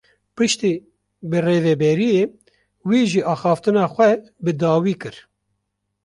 Piştî birêveberiyê wî jî axaftina xwe bi dawî kir.